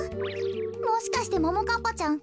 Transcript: もしかしてももかっぱちゃん